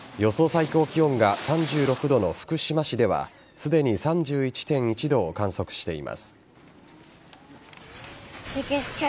最高気温が３６度の福島市ではすでに３１．１度を観測しています。